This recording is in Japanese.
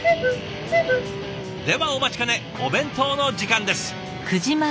ではお待ちかねお弁当の時間です。